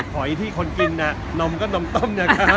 หอยที่คนกินนมก็นมต้ม